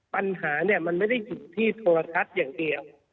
ปัญหามันไม่ได้อยู่ที่โทรศัพท์อย่างเดียว